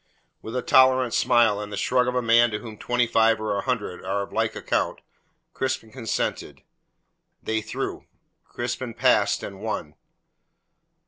With a tolerant smile, and the shrug of a man to whom twenty five or a hundred are of like account, Crispin consented. They threw; Crispin passed and won.